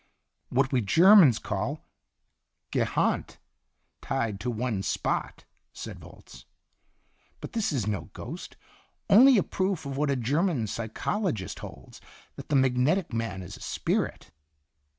"What we Germans call gebannt tied to one spot," said Volz. " But this is no ghost, only a proof of what a German psychologist holds, that the magnetic man is a spirit."